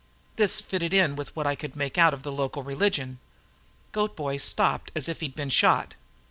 This fitted in with what I could make out of the local religion. Goat boy stopped as if he'd been shot.